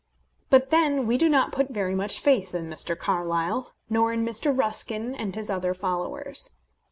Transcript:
But then we do not put very much faith in Mr. Carlyle, nor in Mr. Ruskin and his other followers.